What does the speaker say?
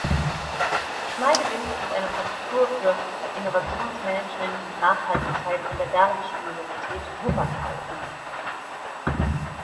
Schneidewind hat eine Professur für „Innovationsmanagement und Nachhaltigkeit“ an der Bergischen Universität Wuppertal inne.